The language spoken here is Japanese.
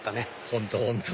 本当本当！